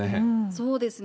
そうですね。